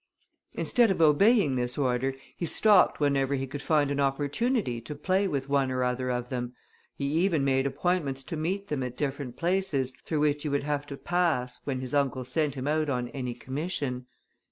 Instead of obeying this order, he stopped whenever he could find an opportunity, to play with one or other of them; he even made appointments to meet them at different places, through which he would have to pass, when his uncle sent him out on any commission.